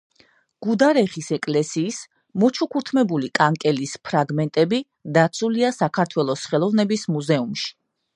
გუდარეხის ეკლესიის მოჩუქურთმებული კანკელის ფრაგმენტები დაცულია საქართველოს ხელოვნების მუზეუმში.